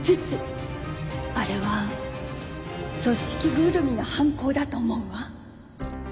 あれは組織ぐるみの犯行だと思うわ。